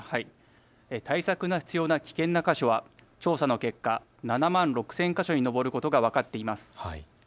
対策が必要な危険な箇所は調査の結果、７万６０００か所に上ることが分かっています。